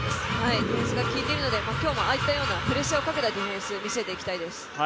ディフェンスが効いているので、今日もああいったようなプレッシャーをかけたディフェンスを見せていきたいです。